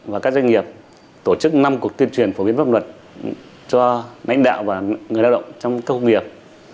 và các doanh nghiệp tổ chức năm cuộc tuyên truyền phổ biến pháp luật cho lãnh đạo và người lao động trong công nghiệp